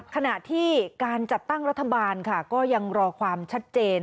ขณะที่การจัดตั้งรัฐบาลค่ะก็ยังรอความชัดเจน